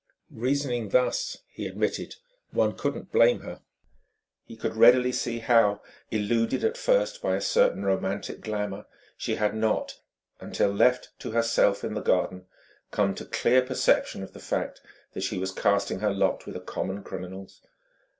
Reasoning thus, he admitted, one couldn't blame her. He could readily see how, illuded at first by a certain romantic glamour, she had not, until left to herself in the garden, come to clear perception of the fact that she was casting her lot with a common criminal's.